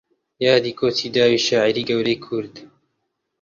یادی کۆچی داوی شاعیری گەورەی کورد